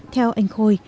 theo anh khôi